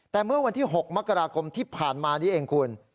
แต่เมื่อวันที่๖มกราคมที่ผ่านมานี้เองคุณ